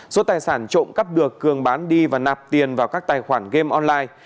số tài sản trộm cắp được cường bán đi và nạp tiền vào các tài khoản game online